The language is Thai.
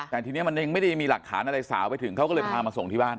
แต่ทีนี้มันยังไม่ได้มีหลักฐานอะไรสาวไปถึงเขาก็เลยพามาส่งที่บ้าน